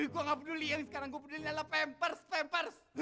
gue gak peduli yang sekarang gue peduli yang elah pempers pempers